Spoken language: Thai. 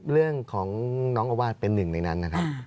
เรื่องของน้องอาวาสเป็นหนึ่งในนั้นนะครับ